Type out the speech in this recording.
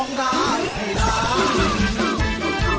คือร้องดาไอ้สาว